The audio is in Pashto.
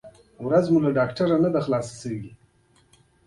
هماغه غلی کتاب په خبرو پیل وکړي.